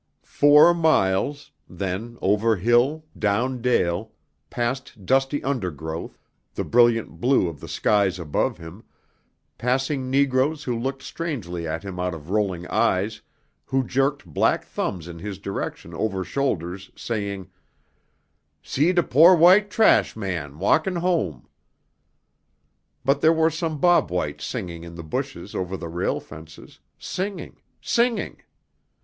Four miles, then, over hill, down dale, past dusty undergrowth, the brilliant blue of the skies above him, passing negroes who looked strangely at him out of rolling eyes, who jerked black thumbs in his direction over shoulders, saying: "See de po' white trash man, walkin' home!" But there were some Bob Whites singing in the bushes over the rail fences, singing, singing!